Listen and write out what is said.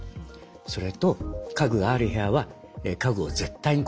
それと家具がある部屋は家具を絶対に固定する。